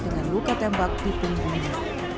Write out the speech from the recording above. dengan luka tembak di punggungnya